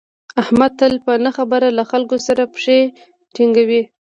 احمد تل په نه خبره له خلکو سره پښې ټینگوي.